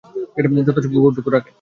যত্তসব কুকুর-টুকুর রাখে।